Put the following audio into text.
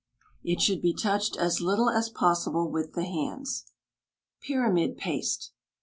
It should be touched as little as possible with the hands. PYRAMID PASTE.